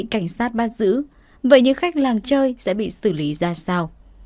cảnh sát bắt giữ vậy những khách làng chơi sẽ bị xử lý ra sao